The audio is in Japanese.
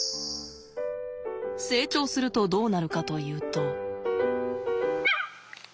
成長するとどうなるかというと。